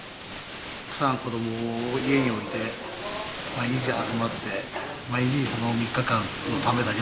奥さん子供を家に置いて毎日集まって毎日その３日間のためだけの準備をして。